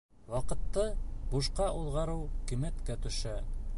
Ваҡытты бушҡа уҙғарыу ҡиммәткә төшә.